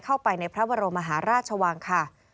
เข้าไปในพระบรมมหาราชวังค่ะ